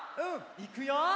いくよ！